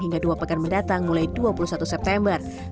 hingga dua pekan mendatang mulai dua puluh satu september